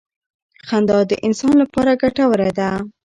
خندا د انسان لپاره ګټوره ده.